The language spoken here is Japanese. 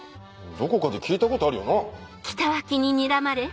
どこかで聞いたことあるよな？